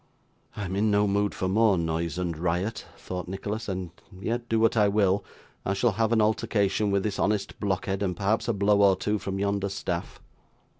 'I am in no mood for more noise and riot,' thought Nicholas, 'and yet, do what I will, I shall have an altercation with this honest blockhead, and perhaps a blow or two from yonder staff.